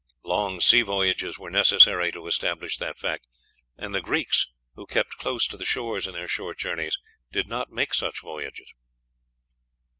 Long sea voyages were necessary to establish that fact, and the Greeks, who kept close to the shores in their short journeys, did not make such voyages.